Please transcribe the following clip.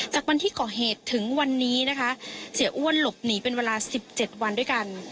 จากวันที่ก่อเหตุถึงวันนี้นะคะเสียอ้วนหลบหนีเป็นเวลา๑๗วันด้วยกัน